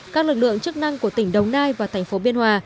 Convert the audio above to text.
các lực lượng chức năng của tỉnh đồng nai và thành phố biên hòa